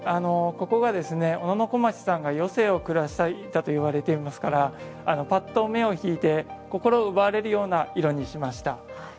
ここが小野小町さんが余生を暮らしていたといわれていますからぱっと目を引いて心を奪われるような色にしました。